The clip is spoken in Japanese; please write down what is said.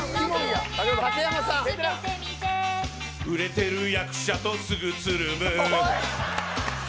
売れてる役者とすぐつるむ。